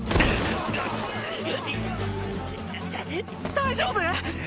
大丈夫！？